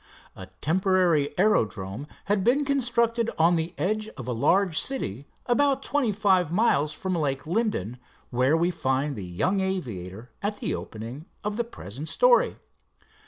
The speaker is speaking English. A temporary aerodrome had been constructed on the edge of a large city about twenty five miles from Lake Linden, where we find the young aviator at the opening of the present story.